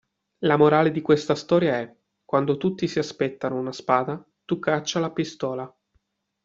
La morale di questa storia è: quando tutti si aspettano una spada, tu caccia la pistola.